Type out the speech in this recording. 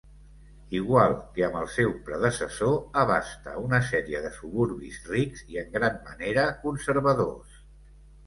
Igual que amb el seu predecessor, abasta una sèrie de suburbis rics i en gran manera conservadors.